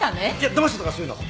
だましたとかそういうのは。